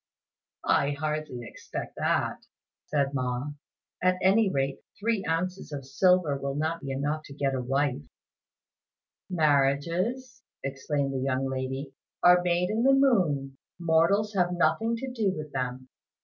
"I hardly expect that," said Ma; "at any rate three ounces of silver will not be enough to get a wife." "Marriages," explained the young lady, "are made in the moon; mortals have nothing to do with them."